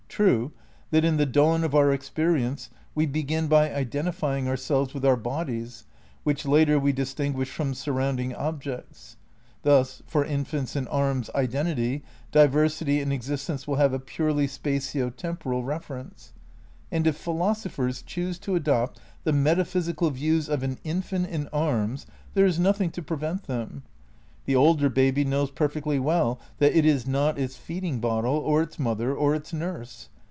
True, that in the dawn of our experi ence, we begin by identifying ourselves with our bodies which later we distinguish from surrounding objects; thus, for infants in arms identity, diversity and exist ence will have a purely spatio temporal reference ; and if philosophers choose to adopt the metaphysical views of an infant in arms there is nothing to prevent them. The older baby knows perfectly well that it is not its feeding bottle or its mother or its nurse.